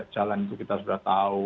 jalan itu kita sudah tahu